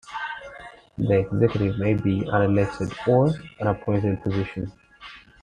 The executive may be an elected or an appointed position.